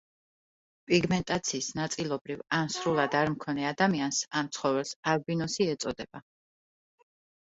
პიგმენტაციის ნაწილობრივ ან სრულად არმქონე ადამიანს ან ცხოველს ალბინოსი ეწოდება.